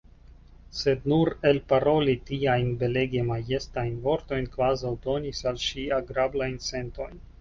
Sed nur elparoli tiajn belege majestajn vortojn kvazaŭ donis al ŝi agrablajn sentojn.